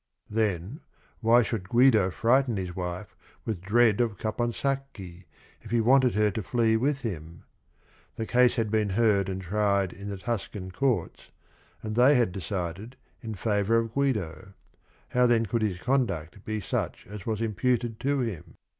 Then, why should Guido frighten his wife with dread of Caponsacchi, if he wanted her to flee with him? The case had been heard and tried in the Tuscan courts, and they had decided in favor of Guido; how then could his conduct be such as was imputed to him